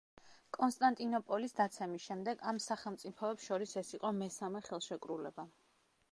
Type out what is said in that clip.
კონსტანტინოპოლის დაცემის შემდეგ ამ სახელმწიფოებს შორის ეს იყო მესამე ხელშეკრულება.